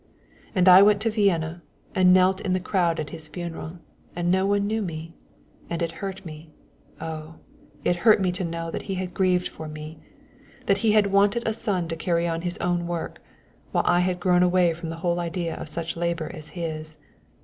And I went to Vienna and knelt in the crowd at his funeral, and no one knew me, and it hurt me, oh, it hurt me to know that he had grieved for me; that he had wanted a son to carry on his own work, while I had grown away from the whole idea of such labor as his.